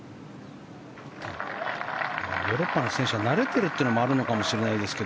ヨーロッパの選手は慣れているというのもあるかもしれませんが。